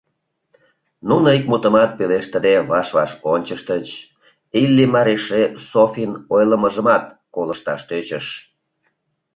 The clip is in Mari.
Нуно ик мутымат пелештыде ваш-ваш ончыштыч, Иллимар эше Софин ойлымыжымат колышташ тӧчыш.